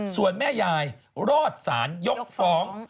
ส่วนแม่ยายรอดสารยกฟ้อง